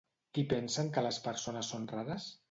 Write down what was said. Qui pensen que les persones són rares?